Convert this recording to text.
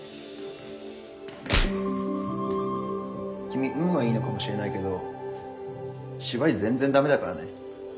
君運はいいのかもしれないけど芝居全然駄目だからね。